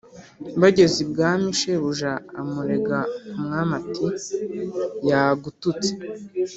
bageze ibwami shebuja amurega ku mwami ati yagututse